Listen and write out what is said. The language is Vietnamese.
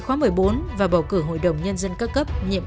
chống lại những tội ác của đảng viên ở cộng sản dân quyền